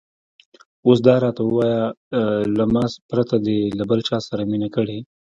اوس دا راته ووایه، له ما پرته دې له بل چا سره مینه کړې؟